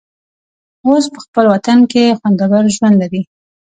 اوس په خپل وطن کې خوندور ژوند لري.